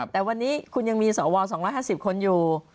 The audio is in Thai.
แต่วันนี้คุณยังมีสว๒๕๐คนอยู่